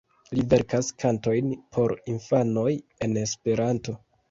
Li verkas kantojn por infanoj en Esperanto.